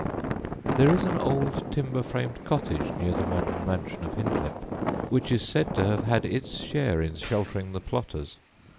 ] There is an old timber framed cottage near the modern mansion of Hindlip which is said to have had its share in sheltering the plotters.